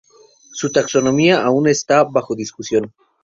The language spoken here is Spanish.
Su taxonomía aún está bajo discusión.